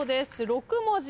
６文字。